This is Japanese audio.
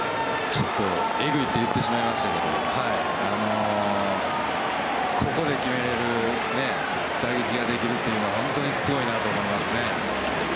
ちょっと、えぐいって言ってしまいましたけどここで決められる打撃ができるのは本当にすごいなと思いますね。